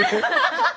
ハハハハ！